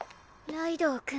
ライドウ君。